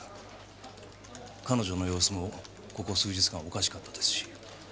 彼女の様子もここ数日間おかしかったですし。